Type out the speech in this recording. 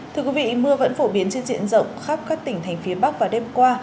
thưa quý vị mưa vẫn phổ biến trên triển rộng khắp các tỉnh thành phía bắc và đêm qua